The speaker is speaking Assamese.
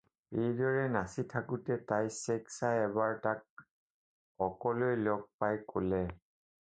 এইদৰে নাচি থাকোঁতে তাই ছেগ চাই এবাৰ তাক অকলৈ লগ পাই ক'লে